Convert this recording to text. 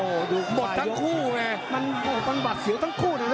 โอ้โหดูหมดทั้งคู่ไงมันโอ้โหมันหวัดเสียวทั้งคู่ด้วยเนอะ